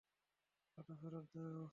ওটা ফেরত দাও!